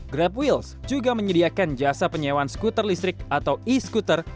grab wheels juga menyediakan jasa penyewaan skuter listrik atau e scooter